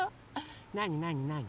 なになになに？